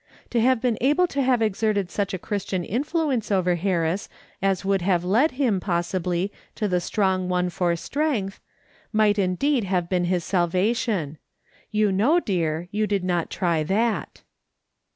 To have been able to have exerted such a Christian influence over Harris as would have led him, possibly, to the Strong One for strength, might indeed have been his salva tion. You know, dear, you did not try that."